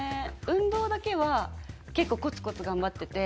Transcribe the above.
運動だけは結構コツコツ頑張ってて。